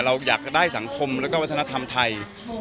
เราอยากจะได้สังคมแล้วก็วัฒนธรรมไทย